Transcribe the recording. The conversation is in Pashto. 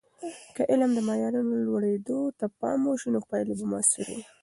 که د علم د معیارونو لوړیدو ته پام وسي، نو پایلې به موثرې وي.